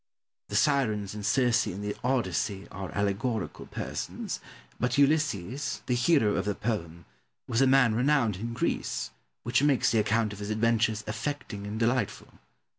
The Syrens and Circe in the "Odyssey" are allegorical persons; but Ulysses, the hero of the poem, was a man renowned in Greece, which makes the account of his adventures affecting and delightful.